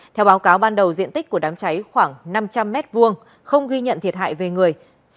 theo báo cáo ban đầu diện tích của đám cháy khoảng năm trăm linh m hai không ghi nhận thiệt hại về người